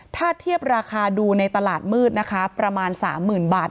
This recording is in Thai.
ถ้าเทียบราคาดูในตลาดมืดนะคะประมาณ๓๐๐๐บาท